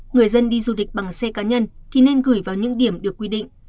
người dân đi du lịch bằng xe cá nhân thì nên gửi vào những điểm được quy định